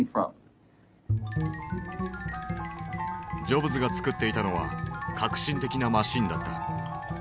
ジョブズが作っていたのは革新的なマシンだった。